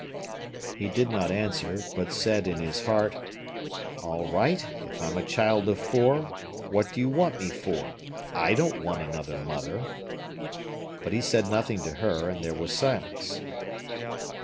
He did not answer, but said in his heart: "All right; if I'm a child of four, what do you want me for? I don't want another mother." But he said nothing to her, and there was silence.